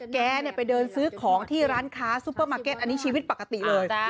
แกไปเดินซื้อของที่ร้านค้าซุปเปอร์มาร์เก็ตอันนี้ชีวิตปกติเลย